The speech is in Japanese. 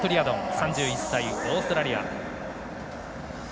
３１歳オーストラリア。